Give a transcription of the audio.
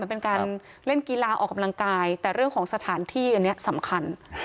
เป็นการเล่นกีฬาออกกำลังกายแต่เรื่องของสถานที่อันนี้สำคัญ